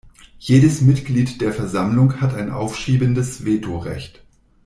Jedes Mitglied der Versammlung hat ein aufschiebendes Veto-Recht.